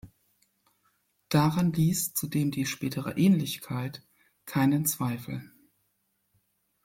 Daran ließ zudem die spätere Ähnlichkeit keinen Zweifel.